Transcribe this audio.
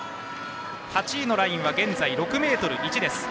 ８位のラインは現在６ｍ１です。